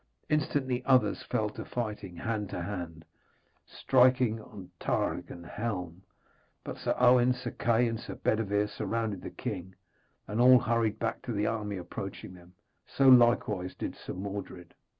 Instantly others fell to fighting hand to hand, striking on targe and helm; but Sir Owen, Sir Kay and Sir Bedevere surrounded the king, and all hurried back to the army approaching them. So likewise did Sir Mordred.